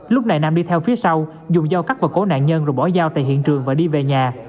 lúc này nam đi theo phía sau dùng dao cắt vào cổ nạn nhân rồi bỏ giao tại hiện trường và đi về nhà